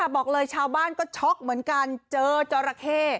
บอกเลยชาวบ้านก็ช็อกเหมือนกันเจอจราเข้